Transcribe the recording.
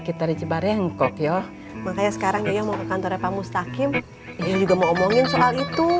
kita rizibar yang kok yo makanya sekarang ya mau ke kantornya pak mustaqim juga mau omongin soal itu